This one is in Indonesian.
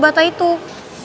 supaya ibu gak ketemu sama ibu